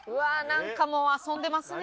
なんかもう遊んでますね。